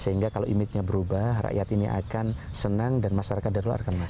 sehingga kalau image nya berubah rakyat ini akan senang dan masyarakat dari luar akan masuk